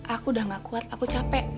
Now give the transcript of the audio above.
aku udah gak kuat aku capek